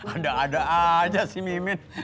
ada ada aja sih mimit